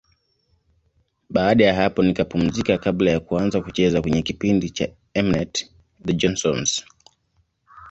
Baada ya hapo nikapumzika kabla ya kuanza kucheza kwenye kipindi cha M-net, The Johnsons.